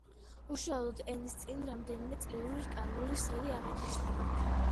უშუალოდ ენის წინ რამდენიმე წლიური რკალური სერი აღინიშნება.